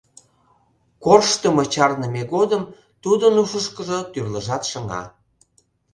Корштымо чарныме годым тудын ушышкыжо тӱрлыжат шыҥа...